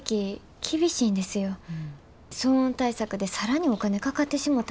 騒音対策で更にお金かかってしもたら。